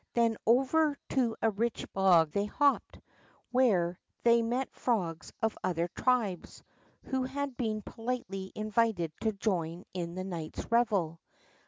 Then over to a rich bog they hopped, where they met frogs of other tribesj who had been politely invited to join in the night's revel.